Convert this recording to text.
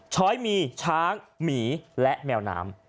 ช้อยมีช้างหมีและแมวน้ำ